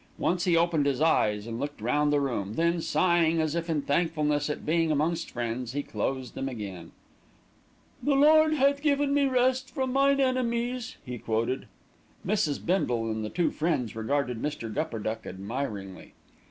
Once he opened his eyes, and looked round the room, then, sighing as if in thankfulness at being amongst friends, he closed them again. "'The Lord hath given me rest from mine enemies,'" he quoted. Mrs. Bindle and the two friends regarded Mr. Gupperduck admiringly.